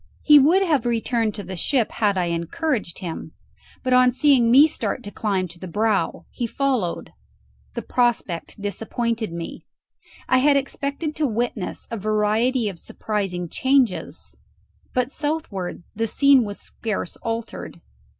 He would have returned to the ship, had I encouraged him, but on seeing me start to climb to the brow he followed. The prospect disappointed me. I had expected to witness a variety of surprising changes; but southward the scene was scarce altered.